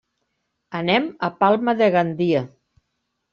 Anem a Palma de Gandia.